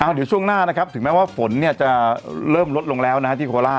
เดี๋ยวช่วงหน้านะครับถึงแม้ว่าฝนเนี่ยจะเริ่มลดลงแล้วนะฮะที่โคล่า